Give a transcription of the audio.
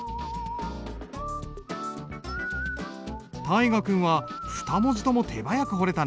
大河君は２文字とも手早く彫れたね。